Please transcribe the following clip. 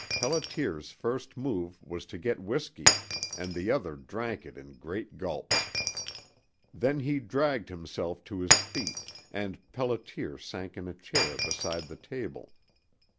Pelliter's first move was to get whisky, and the other drank it in great gulps. Then he dragged himself to his feet, and Pelliter sank in a chair beside the table.